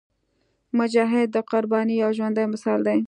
مجاهد د قربانۍ یو ژوندی مثال دی.